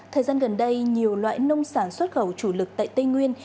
thời gian gần đây nhiều loại nông sản xuất khẩu chủ lực tại tây nguyên